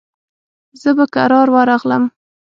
زه به کرار ورغلم.